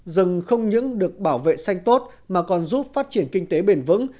rừng không những được bảo vệ xanh tốt mà còn giúp phát triển kinh tế bền vững